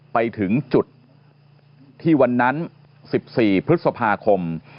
ไปถึงจุดที่วันนั้น๑๔พฤษภาคม